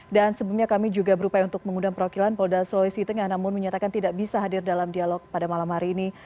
dan sebelumnya kami juga berupaya untuk mengundang perwakilan polda sulawesi tengah namun menyatakan tidak bisa hadir dalam dialog pada malam hari ini